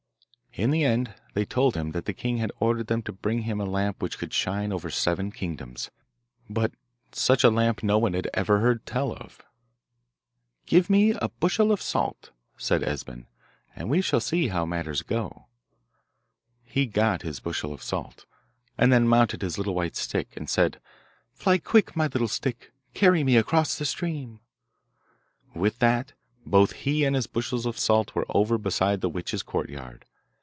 In the end they told him that the king had ordered them to bring him a lamp which could shine over seven kingdoms, but such a lamp no one had ever heard tell of. 'Give me a bushel of salt,' said Esben, 'and we shall see how matters go.' He got his bushel of salt, and then mounted his little white stick, and said, Fly quick, my little stick, Carry me across the stream. With that both he and his bushel of salt were over beside the witch's courtyard.